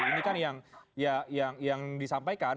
ini kan yang disampaikan